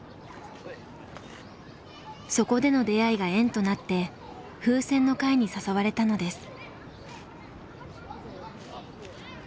そこでの出会いが縁となってふうせんの会に誘われたのです。